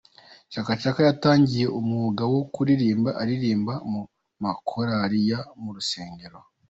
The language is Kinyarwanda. Chaka Chaka yatangiye umwuga wo kuririmba aririmba mu ma korari yo mu rusengero.